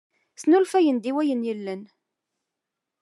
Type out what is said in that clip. Snulfayen-d i wayen i yellan